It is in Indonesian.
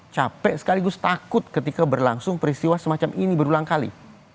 capek sekaligus takut ketika berlangsung peristiwa semacam ini berulang kali